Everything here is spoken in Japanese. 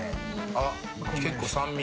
あっ結構酸味。